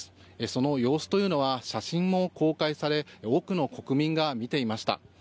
その様子は写真も公開され多くの国民が見ていました。